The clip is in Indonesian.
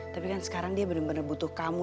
tapi kan sekarang dia bener bener butuh kamu